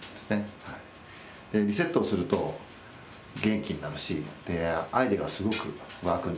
リセットをすると元気になるしアイデアがすごく湧くんです。